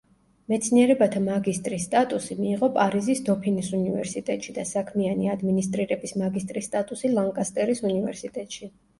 მეცნიერებათა მაგისტრის სტატუსი მიიღო პარიზის დოფინის უნივერსიტეტში და საქმიანი ადმინისტრირების მაგისტრის სტატუსი ლანკასტერის უნივერსიტეტში.